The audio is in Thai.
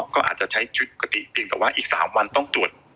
ก็อาจจะใช้ชีวิตปกติเพียงแต่ว่าอีก๓วันต้องตรวจ